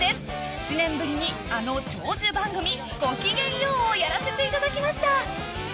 ７年ぶりにあの長寿番組「ごきげんよう」をやらせていただきました！